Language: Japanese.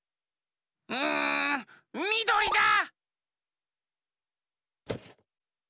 うんみどりだ！